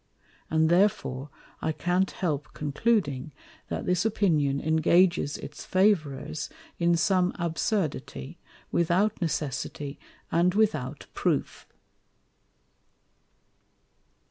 And therefore I can't help concluding, that this Opinion engages its Favourers in some Absurdity, without Necessity and without Proof.